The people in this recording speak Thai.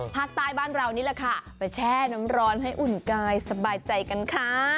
ภาคใต้บ้านเรานี่แหละค่ะไปแช่น้ำร้อนให้อุ่นกายสบายใจกันค่ะ